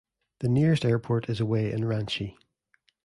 The nearest airport is away in Ranchi.